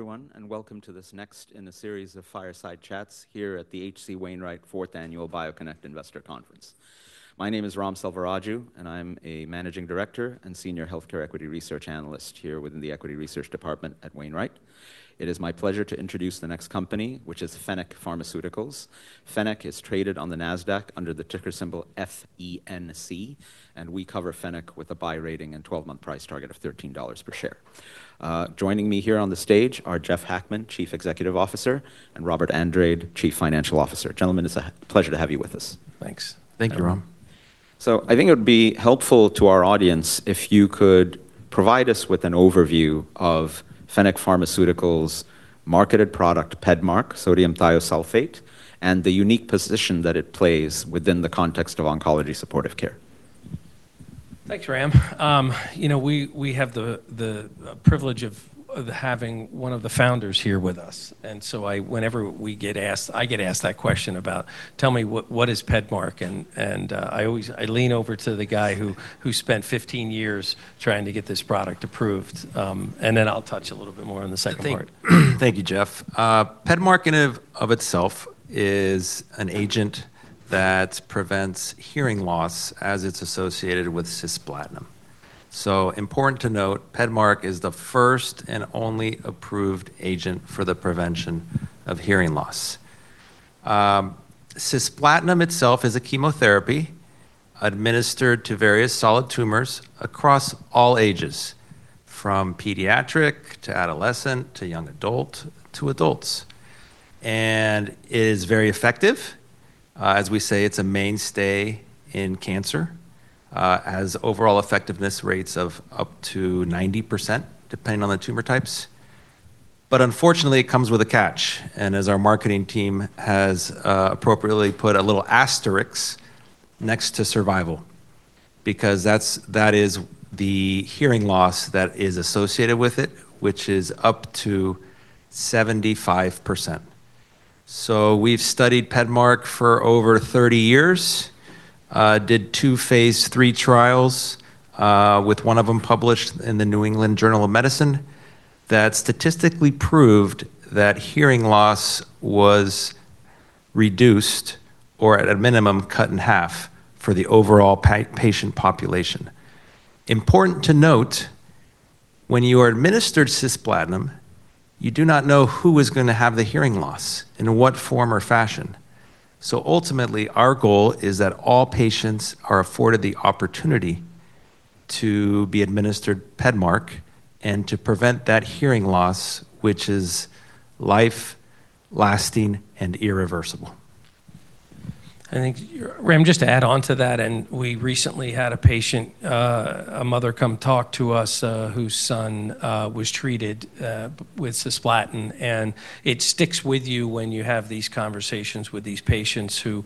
Everyone, welcome to this next in a series of fireside chats here at the H.C. Wainwright 4th Annual BioConnect Investor Conference. My name is Ram Selvaraju and I'm a Managing Director and Senior Healthcare Equity Research Analyst here within the equity research department at Wainwright. It is my pleasure to introduce the next company, which is Fennec Pharmaceuticals. Fennec is traded on the Nasdaq under the ticker symbol FENC, and we cover Fennec with a buy rating and 12 month price target of $13 per share. Joining me here on the stage are Jeff Hackman, Chief Executive Officer and Robert Andrade, Chief Financial Officer. Gentlemen, it's a pleasure to have you with us. Thanks. Thank you, Ram. I think it would be helpful to our audience if you could provide us with an overview of Fennec Pharmaceuticals' marketed product, PEDMARK, sodium thiosulfate, and the unique position that it plays within the context of oncology supportive care. Thanks, Ram. You know, we have the privilege of having one of the founders here with us, and so I, whenever we get asked, I get asked that question about, "Tell me, what is PEDMARK?" I always, I lean over to the guy who spent 15 years trying to get this product approved, and then I'll touch a little bit more on the second part. Thank you, Jeff. PEDMARK in of itself is an agent that prevents hearing loss as it's associated with cisplatin. Important to note, PEDMARK is the first and only approved agent for the prevention of hearing loss. Cisplatin itself is a chemotherapy administered to various solid tumors across all ages, from pediatric to adolescent to young adult to adults, and is very effective. As we say, it's a mainstay in cancer. Has overall effectiveness rates of up to 90% depending on the tumor types. Unfortunately, it comes with a catch, and as our marketing team has appropriately put a little asterisk next to survival because that is the hearing loss that is associated with it, which is up to 75%. We've studied PEDMARK for over 30 years, did two phase III trials, with one of them published in the New England Journal of Medicine that statistically proved that hearing loss was reduced or at a minimum cut in half for the overall patient population. Important to note, when you are administered cisplatin, you do not know who is gonna have the hearing loss, in what form or fashion. Ultimately, our goal is that all patients are afforded the opportunity to be administered PEDMARK and to prevent that hearing loss, which is life-lasting and irreversible. I think, Ram, just to add on to that, we recently had a patient, a mother come talk to us, whose son was treated with cisplatin, and it sticks with you when you have these conversations with these patients who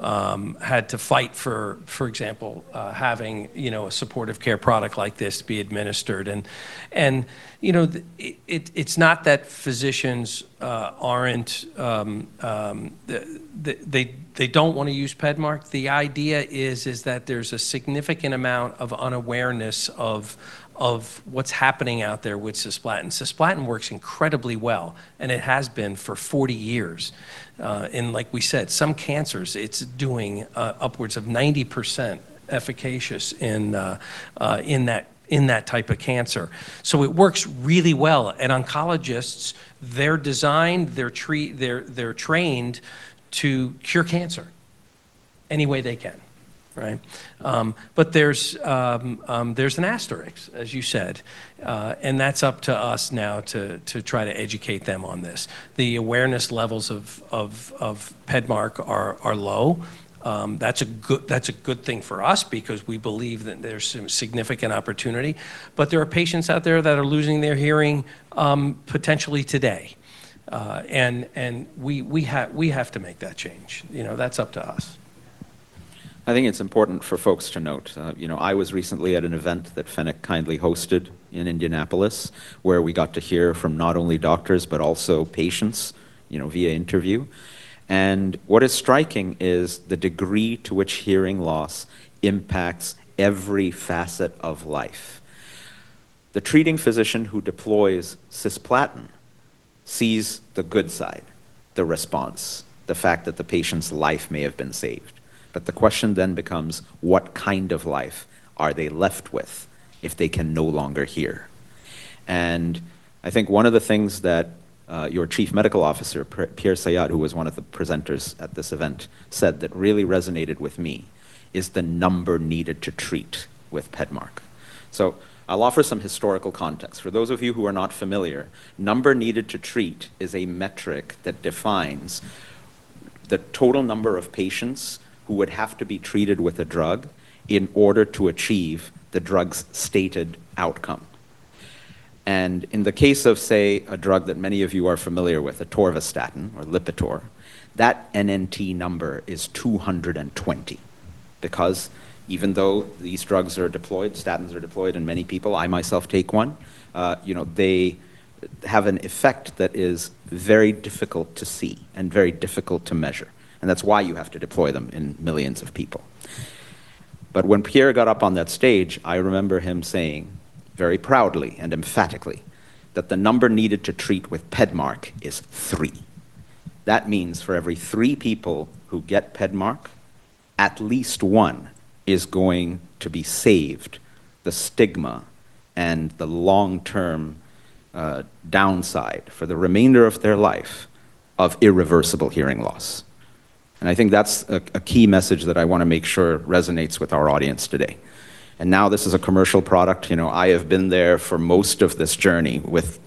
had to fight for example, having, you know, a supportive care product like this be administered. You know, it's not that physicians aren't, they don't wanna use PEDMARK. The idea is that there's a significant amount of unawareness of what's happening out there with cisplatin. Cisplatin works incredibly well, it has been for 40 years. Like we said, some cancers it's doing upwards of 90% efficacious in that type of cancer. It works really well and oncologists, they're designed, they're trained to cure cancer any way they can, right? There's an asterisk, as you said, and that's up to us now to educate them on this. The awareness levels of PEDMARK are low. That's a good thing for us because we believe that there's some significant opportunity. There are patients out there that are losing their hearing, potentially today, and we have to make that change. You know, that's up to us. I think it's important for folks to note, you know, I was recently at an event that Fennec kindly hosted in Indianapolis where we got to hear from not only doctors, but also patients, you know, via interview. What is striking is the degree to which hearing loss impacts every facet of life. The treating physician who deploys cisplatin sees the good side, the response, the fact that the patient's life may have been saved, but the question then becomes, what kind of life are they left with if they can no longer hear? I think one of the things that your Chief Medical Officer, Pierre Sayad, who was one of the presenters at this event, said that really resonated with me is the number needed to treat with PEDMARK. I'll offer some historical context. For those of you who are not familiar, number needed to treat is a metric that defines the total number of patients who would have to be treated with a drug in order to achieve the drug's stated outcome. In the case of, say, a drug that many of you are familiar with, atorvastatin or Lipitor, that NNT number is 220 because even though these drugs are deployed, statins are deployed in many people, I myself take one, you know, they have an effect that is very difficult to see and very difficult to measure, and that's why you have to deploy them in millions of people. When Pierre got up on that stage, I remember him saying very proudly and emphatically that the number needed to treat with PEDMARK is three. That means for every three people who get PEDMARK, at least one is going to be saved the stigma and the long-term downside for the remainder of their life of irreversible hearing loss. I think that's a key message that I wanna make sure resonates with our audience today. Now this is a commercial product. You know, I have been there for most of this journey with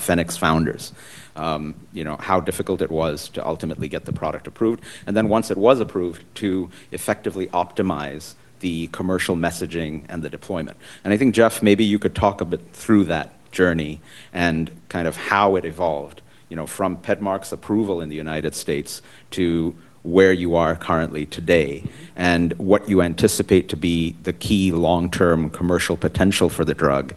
Fennec's founders, you know, how difficult it was to ultimately get the product approved, and then once it was approved, to effectively optimize the commercial messaging and the deployment. I think, Jeff, maybe you could talk a bit through that journey and kind of how it evolved, you know, from PEDMARK's approval in the United States to where you are currently today, and what you anticipate to be the key long-term commercial potential for the drug.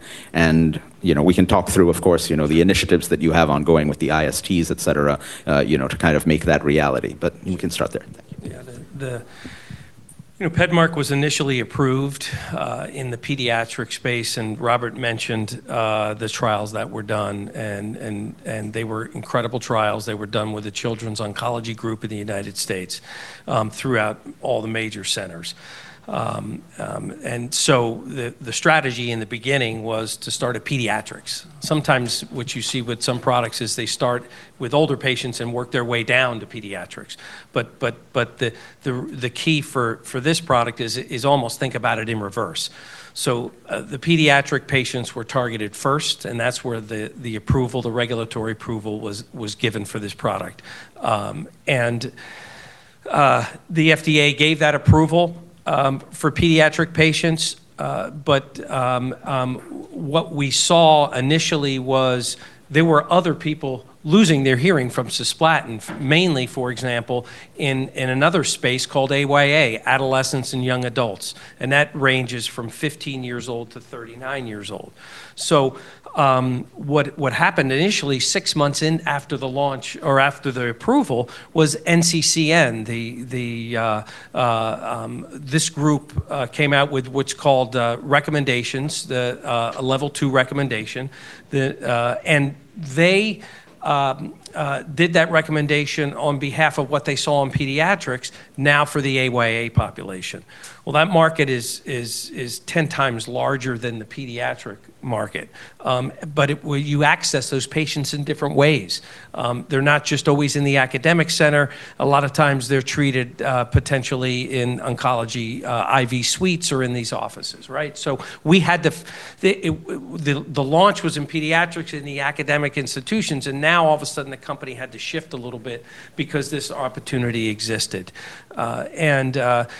You know, we can talk through, of course, you know, the initiatives that you have ongoing with the ISTs, et cetera, you know, to kind of make that reality. You can start there. You know, PEDMARK was initially approved in the pediatric space, Robert mentioned the trials that were done, and they were incredible trials. They were done with the Children's Oncology Group in the United States, throughout all the major centers. The strategy in the beginning was to start at pediatrics. Sometimes what you see with some products is they start with older patients and work their way down to pediatrics. The key for this product is almost think about it in reverse. The pediatric patients were targeted first, and that's where the approval, the regulatory approval was given for this product. The FDA gave that approval for pediatric patients. What we saw initially was there were other people losing their hearing from cisplatin, mainly, for example, in another space called AYA, adolescents and young adults, and that ranges from 15 years old to 39 years old. What happened initially six months in after the launch or after the approval was NCCN, this group, came out with what's called recommendations, a level two recommendation. They did that recommendation on behalf of what they saw in pediatrics now for the AYA population. That market is 10x larger than the pediatric market. You access those patients in different ways. They're not just always in the academic center. A lot of times they're treated, potentially in oncology, IV suites or in these offices, right? The launch was in pediatrics in the academic institutions, and now all of a sudden the company had to shift a little bit because this opportunity existed. What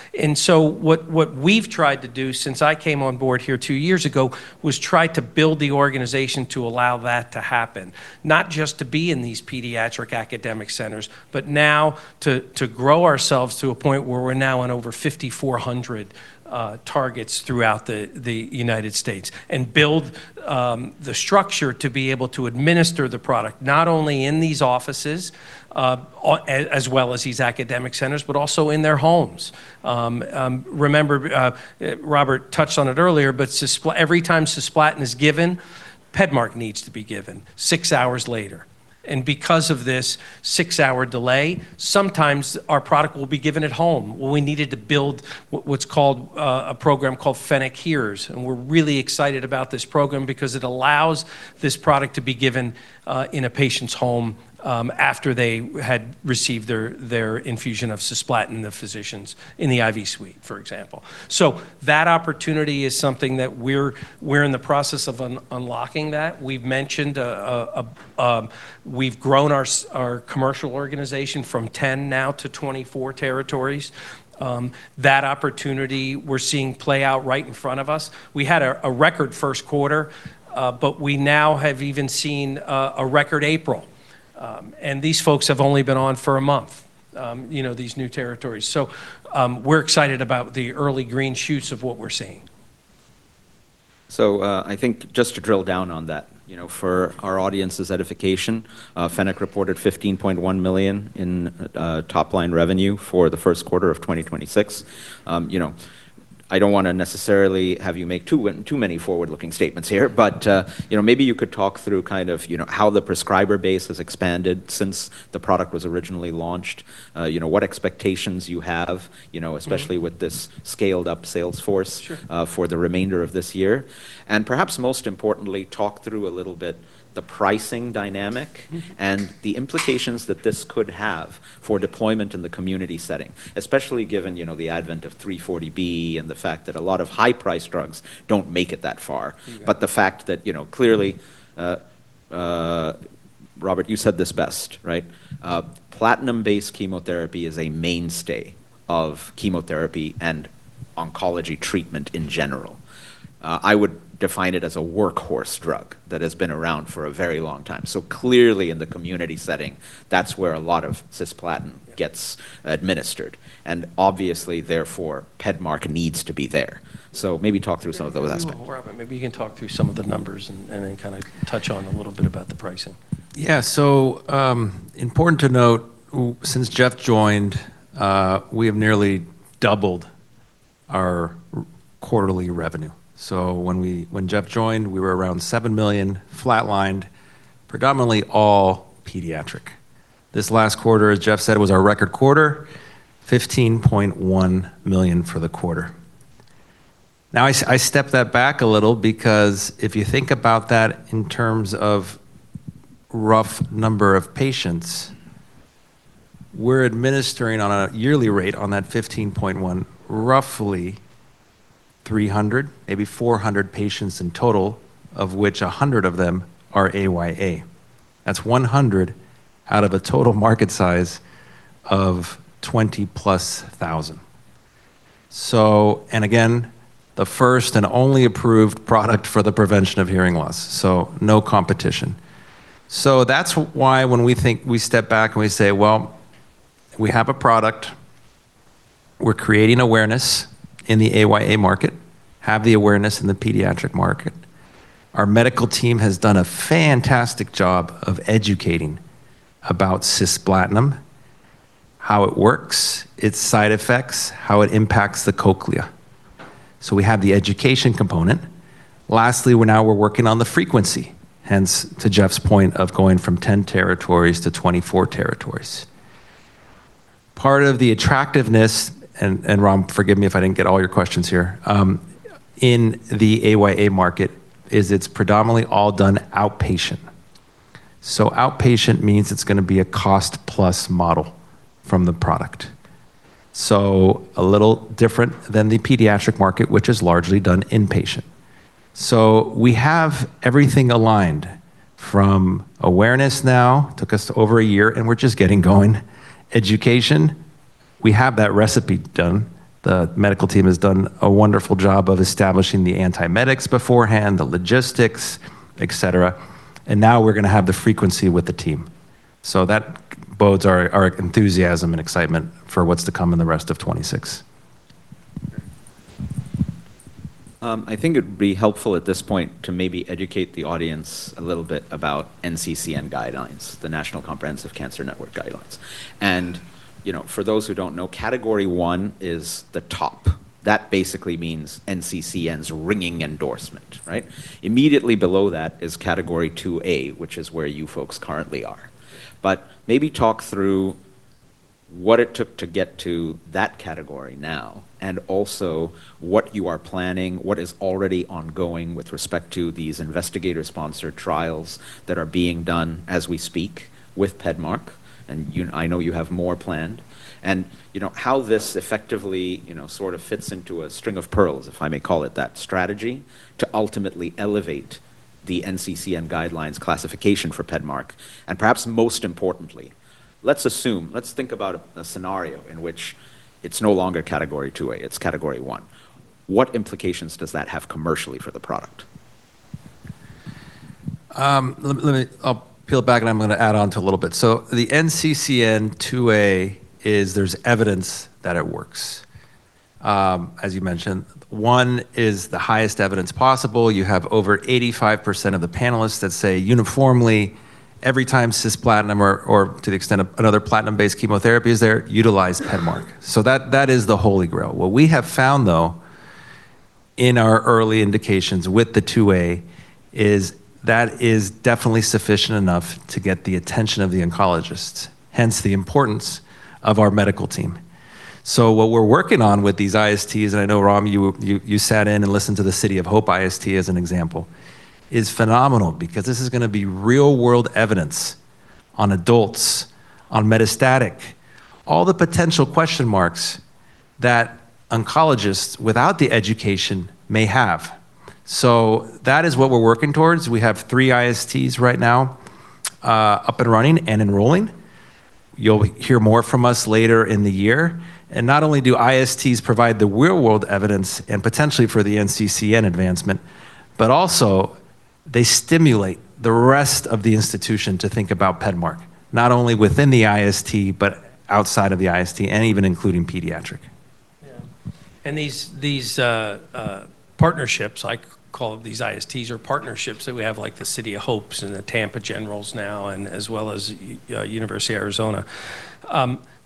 we've tried to do since I came on board here two years ago was try to build the organization to allow that to happen, not just to be in these pediatric academic centers, but now to grow ourselves to a point where we're now in over 5,400 targets throughout the United States and build the structure to be able to administer the product, not only in these offices, as well as these academic centers, but also in their homes. Remember, Robert touched on it earlier, every time cisplatin is given, PEDMARK needs to be given six hours later. Because of this six hour delay, sometimes our product will be given at home. Well, we needed to build what's called a program called Fennec HEARS, we're really excited about this program because it allows this product to be given in a patient's home after they had received their infusion of cisplatin, the physicians in the IV suite, for example. That opportunity is something that we're in the process of unlocking that. We've mentioned, we've grown our commercial organization from 10 now to 24 territories. That opportunity we're seeing play out right in front of us. We had a record first quarter. We now have even seen a record April. These folks have only been on for a month, you know, these new territories. We're excited about the early green shoots of what we're seeing. I think just to drill down on that, you know, for our audience's edification, Fennec reported $15.1 million in top-line revenue for the first quarter of 2026. You know, I don't wanna necessarily have you make too many forward-looking statements here, you know, maybe you could talk through kind of, you know, how the prescriber base has expanded since the product was originally launched, you know, what expectations you have, you know, especially with this scaled-up sales force- Sure. For the remainder of this year. Perhaps most importantly, talk through a little bit the pricing dynamic. The implications that this could have for deployment in the community setting, especially given, you know, the advent of 340B and the fact that a lot of high-priced drugs don't make it that far. Yeah. The fact that, you know, clearly, Robert, you said this best, right? Platinum-based chemotherapy is a mainstay of chemotherapy and oncology treatment in general. I would define it as a workhorse drug that has been around for a very long time. Clearly in the community setting, that's where a lot of cisplatin gets administered. Obviously, therefore, PEDMARK needs to be there. Maybe talk through some of those numbers. Maybe you can talk through some of the numbers and then kinda touch on a little bit about the pricing. Yeah. Important to note, since Jeff joined, we have nearly doubled our quarterly revenue. When Jeff joined, we were around $7 million, flat-lined, predominantly all pediatric. This last quarter, as Jeff said, was our record quarter, $15.1 million for the quarter. I step that back a little because if you think about that in terms of rough number of patients, we're administering on a yearly rate on that $15.1 million roughly 300, maybe 400 patients in total, of which 100 of them are AYA. That's 100 out of a total market size of 20,000+. Again, the first and only approved product for the prevention of hearing loss, no competition. That's why when we step back and we say, "Well, we have a product, we're creating awareness in the AYA market, have the awareness in the pediatric market." Our medical team has done a fantastic job of educating about cisplatin, how it works, its side effects, how it impacts the cochlea. We have the education component. Lastly, we're now working on the frequency, hence to Jeff's point of going from 10 territories to 24 territories. Part of the attractiveness and Ram, forgive me if I didn't get all your questions here, in the AYA market is it's predominantly all done outpatient. Outpatient means it's gonna be a cost-plus model from the product. A little different than the pediatric market, which is largely done inpatient. We have everything aligned from awareness now, took us over a year, and we're just getting going. Education, we have that recipe done. The medical team has done a wonderful job of establishing the antiemetics beforehand, the logistics, et cetera, and now we're gonna have the frequency with the team. That bodes our enthusiasm and excitement for what's to come in the rest of 2026. I think it'd be helpful at this point to maybe educate the audience a little bit about NCCN guidelines, the National Comprehensive Cancer Network guidelines. You know, for those who don't know, Category 1 is the top. That basically means NCCN's ringing endorsement, right? Immediately below that is Category 2A, which is where you folks currently are. Maybe talk through what it took to get to that category now, and also what you are planning, what is already ongoing with respect to these investigator-sponsored trials that are being done as we speak with PEDMARK, I know you have more planned. You know, how this effectively, you know, sort of fits into a string of pearls, if I may call it that strategy, to ultimately elevate the NCCN guidelines classification for PEDMARK. Perhaps most importantly, let's think about a scenario in which it's no longer Category 2A, it's Category 1. What implications does that have commercially for the product? I'll peel it back and I'm gonna add on to a little bit. The NCCN 2A is there's evidence that it works. As you mentioned, one is the highest evidence possible. You have over 85% of the panelists that say uniformly every time cisplatin or to the extent of another platinum-based chemotherapy is there, utilize PEDMARK. That is the holy grail. What we have found, though, in our early indications with the 2A is that is definitely sufficient enough to get the attention of the oncologist, hence the importance of our medical team. What we're working on with these ISTs, and I know, Ram, you sat in and listened to the City of Hope IST as an example, is phenomenal because this is gonna be real-world evidence on adults, on metastatic, all the potential question marks that oncologists without the education may have. That is what we're working towards. We have three ISTs right now, up and running and enrolling. You'll hear more from us later in the year. Not only do ISTs provide the real-world evidence and potentially for the NCCN advancement, but also they stimulate the rest of the institution to think about PEDMARK, not only within the IST, but outside of the IST and even including pediatric. Yeah. These partnerships, I call these ISTs or partnerships that we have like the City of Hope and the Tampa Generals now and as well as University of Arizona,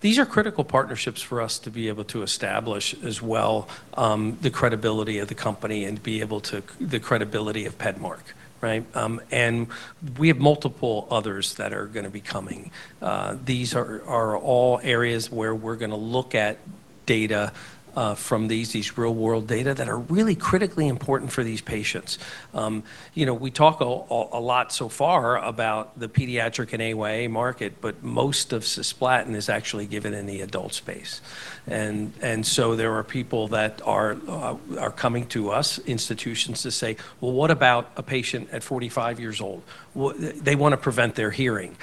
these are critical partnerships for us to be able to establish as well, the credibility of the company and be able to the credibility of PEDMARK, right? We have multiple others that are gonna be coming. These are all areas where we're gonna look at data from these real-world data that are really critically important for these patients. You know, we talk a lot so far about the pediatric and AYA market, but most of cisplatin is actually given in the adult space. There are people that are coming to us, institutions, to say, "Well, what about a patient at 45 years old? They wanna prevent their hearing.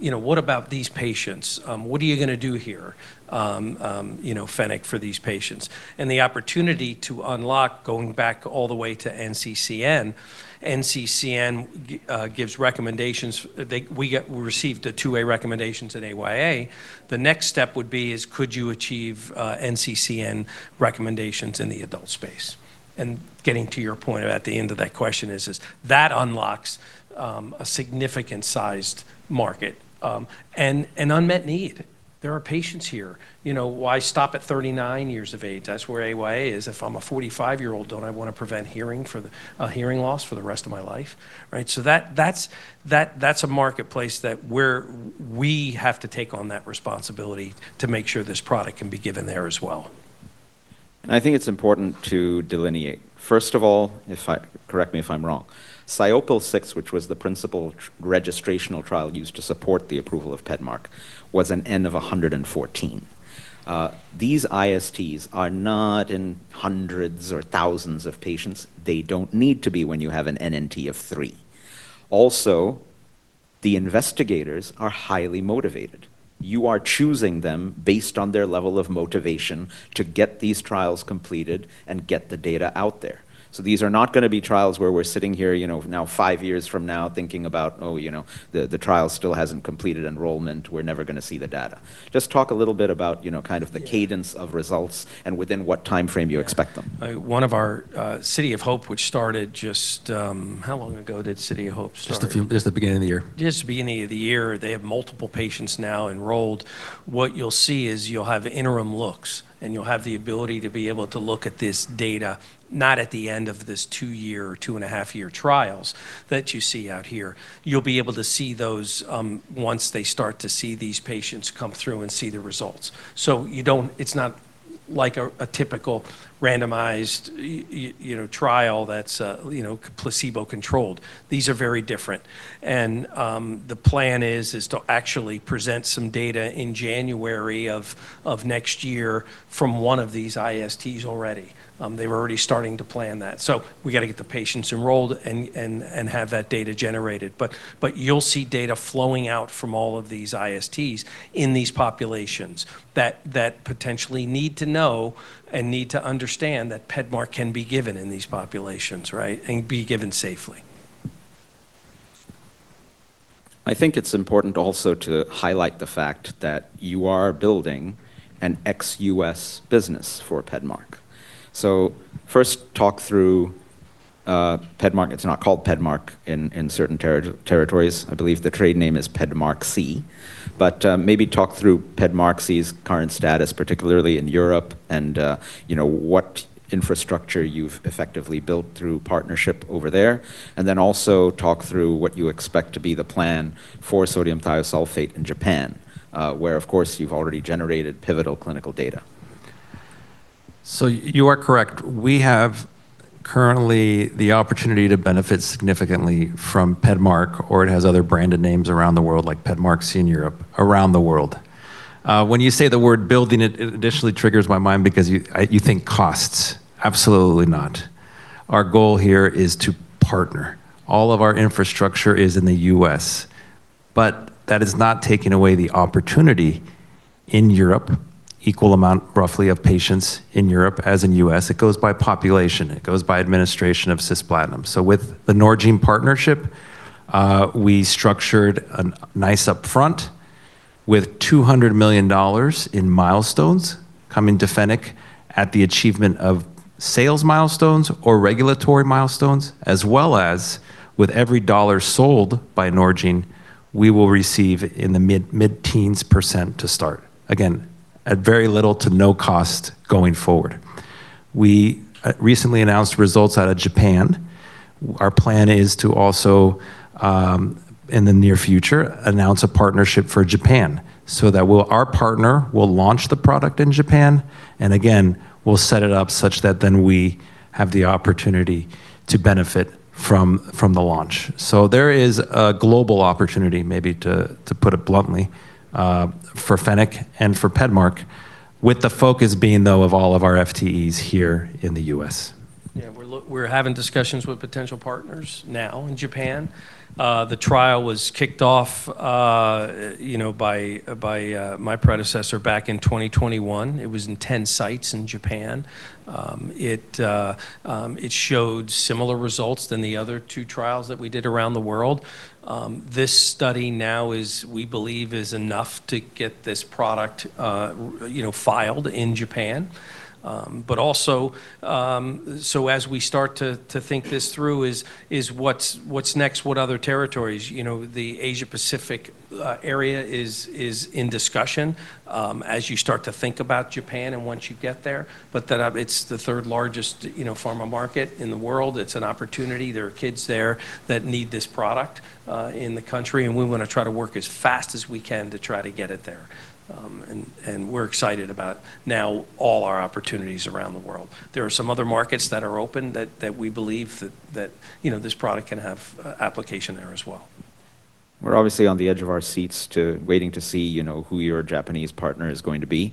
You know, what about these patients? What are you gonna do here, you know, Fennec, for these patients?" The opportunity to unlock, going back all the way to NCCN gives recommendations. We received a 2A recommendations at AYA. The next step would be is could you achieve NCCN recommendations in the adult space? Getting to your point at the end of that question is that unlocks a significant sized market and an unmet need. There are patients here. You know, why stop at 39 years of age? That's where AYA is. If I'm a 45 year old, don't I wanna prevent a hearing loss for the rest of my life, right? That, that's, that's a marketplace that we have to take on that responsibility to make sure this product can be given there as well. I think it's important to delineate. First of all, if I correct me if I'm wrong, SIOPEL 6, which was the principal registrational trial used to support the approval of PEDMARK, was an N of 114. These ISTs are not in hundreds or thousands of patients. They don't need to be when you have an NNT of three. Also, the investigators are highly motivated. You are choosing them based on their level of motivation to get these trials completed and get the data out there. These are not gonna be trials where we're sitting here, you know, now five years from now thinking about, "Oh, you know, the trial still hasn't completed enrollment. We're never gonna see the data." Just talk a little bit about, you know, kind of the cadence of results and within what timeframe you expect them. Yeah. One of our, City of Hope, which started just. How long ago did City of Hope start? Just the beginning of the year. Just the beginning of the year. They have multiple patients now enrolled. What you'll see is you'll have interim looks, and you'll have the ability to be able to look at this data not at the end of this two year or 2.5 year trials that you see out here. You'll be able to see those once they start to see these patients come through and see the results. It's not like a typical randomized trial that's placebo controlled. These are very different. The plan is to actually present some data in January of next year from one of these ISTs already. They were already starting to plan that. We gotta get the patients enrolled and have that data generated. You'll see data flowing out from all of these ISTs in these populations that potentially need to know and need to understand that PEDMARK can be given in these populations, right and be given safely. I think it's important also to highlight the fact that you are building an ex-U.S. business for PEDMARK. First talk through PEDMARK. It's not called PEDMARK in certain territories. I believe the trade name is PEDMARQSI. Maybe talk through PEDMARQSI's current status, particularly in Europe, and you know, what infrastructure you've effectively built through partnership over there. Then also talk through what you expect to be the plan for sodium thiosulfate in Japan, where, of course, you've already generated pivotal clinical data. You are correct. We have currently the opportunity to benefit significantly from PEDMARK, or it has other branded names around the world like PEDMARQSI in Europe. When you say the word building, it additionally triggers my mind because you think costs. Absolutely not. Our goal here is to partner. All of our infrastructure is in the U.S., that is not taking away the opportunity in Europe, equal amount roughly of patients in Europe as in U.S. It goes by population. It goes by administration of cisplatin. With the Norgine partnership, we structured a nice upfront with $200 million in milestones coming to Fennec at the achievement of sales milestones or regulatory milestones, as well as with every dollar sold by Norgine, we will receive in the mid-teens percent to start. Again, at very little to no cost going forward. We recently announced results out of Japan. Our plan is to also, in the near future, announce a partnership for Japan so that our partner will launch the product in Japan, and again, we'll set it up such that then we have the opportunity to benefit from the launch. There is a global opportunity, maybe to put it bluntly, for Fennec and for PEDMARK, with the focus being, though, of all of our FTEs here in the U.S. Yeah, we're having discussions with potential partners now in Japan. The trial was kicked off, you know, by my predecessor back in 2021. It was in 10 sites in Japan. It showed similar results than the other two trials that we did around the world. This study now is, we believe, is enough to get this product, you know, filed in Japan. Also, as we start to think this through is what's next? What other territories? You know, the Asia-Pacific area is in discussion as you start to think about Japan and once you get there. It's the third largest, you know, pharma market in the world. It's an opportunity. There are kids there that need this product in the country, we wanna try to work as fast as we can to try to get it there. We're excited about now all our opportunities around the world. There are some other markets that are open that we believe that, you know, this product can have application there as well. We're obviously on the edge of our seats to waiting to see, you know, who your Japanese partner is going to be.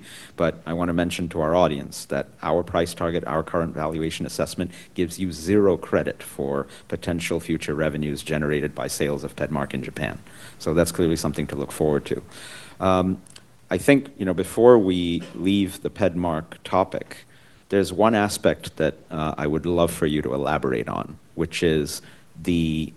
I wanna mention to our audience that our price target, our current valuation assessment gives you zero credit for potential future revenues generated by sales of PEDMARK in Japan. That's clearly something to look forward to. I think, you know, before we leave the PEDMARK topic, there's one aspect that I would love for you to elaborate on, which is the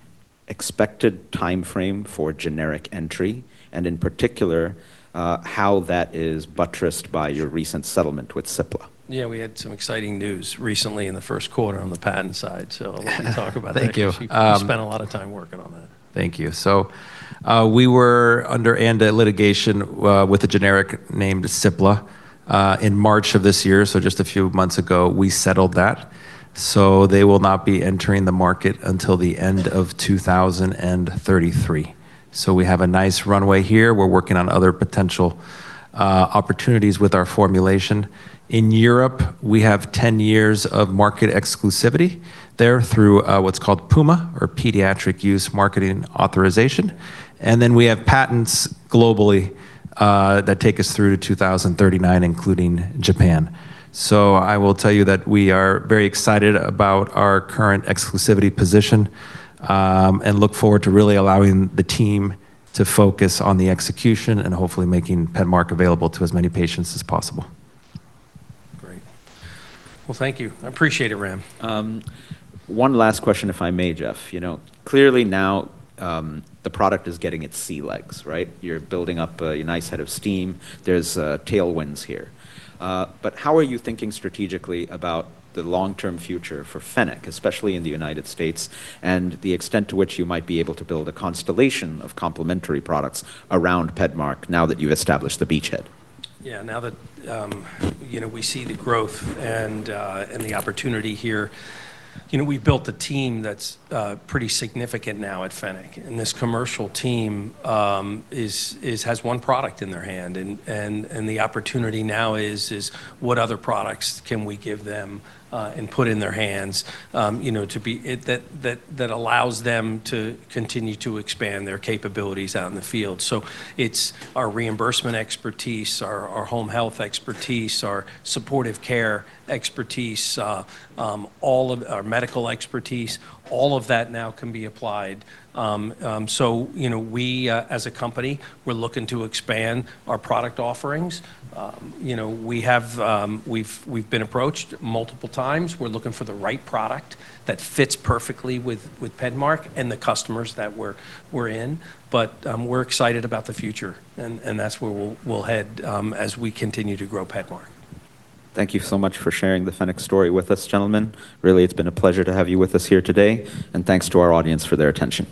expected timeframe for generic entry, and in particular, how that is buttressed by your recent settlement with Cipla. Yeah, we had some exciting news recently in the first quarter on the patent side. Let me talk about that. Thank you. You've spent a lot of time working on that. Thank you. We were under ANDA litigation with a generic named Cipla in March of this year, just a few months ago. We settled that. They will not be entering the market until the end of 2033. We have a nice runway here. We are working on other potential opportunities with our formulation. In Europe, we have 10 years of market exclusivity there through what is called PUMA or pediatric-use marketing authorization. We have patents globally that take us through to 2039, including Japan. I will tell you that we are very excited about our current exclusivity position and look forward to really allowing the team to focus on the execution and hopefully making PEDMARK available to as many patients as possible. Great. Well, thank you. I appreciate it, Ram. One last question, if I may, Jeff. You know, clearly now, the product is getting its sea legs, right? You're building up a nice head of steam. There's tailwinds here. How are you thinking strategically about the long-term future for Fennec, especially in the United States, and the extent to which you might be able to build a constellation of complementary products around PEDMARK now that you've established the beachhead? Yeah. Now that, you know, we see the growth and the opportunity here, you know, we've built a team that's pretty significant now at Fennec, and this commercial team is has one product in their hand and the opportunity now is what other products can we give them and put in their hands, you know, to be it that allows them to continue to expand their capabilities out in the field. It's our reimbursement expertise, our home health expertise, our supportive care expertise, all of our medical expertise, all of that now can be applied. You know, we as a company, we're looking to expand our product offerings. You know, we have, we've been approached multiple times. We're looking for the right product that fits perfectly with PEDMARK and the customers that we're in, but we're excited about the future and that's where we'll head as we continue to grow PEDMARK. Thank you so much for sharing the Fennec story with us, gentlemen. Really, it's been a pleasure to have you with us here today, and thanks to our audience for their attention.